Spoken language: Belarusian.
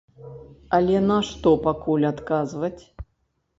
Але на што пакуль адказваць?